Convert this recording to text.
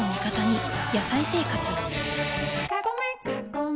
「野菜生活」